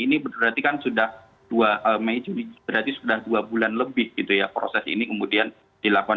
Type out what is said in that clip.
ini berarti kan sudah dua mei juli berarti sudah dua bulan lebih gitu ya proses ini kemudian dilakukan